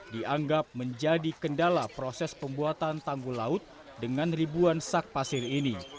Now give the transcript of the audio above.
dianggap menjadi kendala proses pembuatan tanggul laut dengan ribuan sak pasir ini